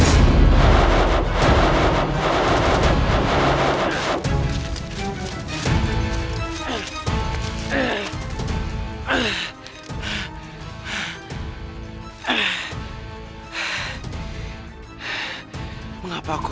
tidak semudah itu mengelabuhiku